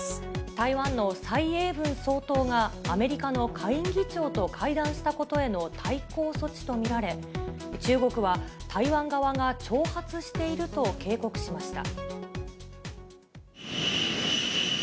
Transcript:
台湾の蔡英文総統がアメリカの下院議長と会談したことへの対抗措置と見られ、中国は台湾側が挑発していると警告しました。